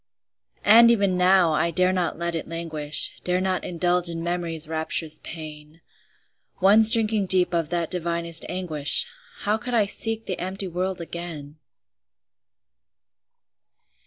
And even now, I dare not let it languish, Dare not indulge in Memory's rapturous pain; Once drinking deep of that divinest anguish, How could I seek the empty world again?